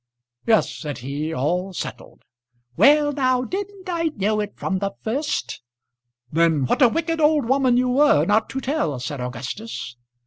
"Yes," said he; "all settled." "Well now! didn't I know it from the first?" "Then what a wicked old woman you were not to tell," said Augustus.